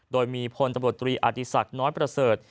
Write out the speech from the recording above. โดยมีพลตำบลตรีอาธิษฐกิจน้อยประเศรษฐ์